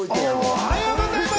おはようございます！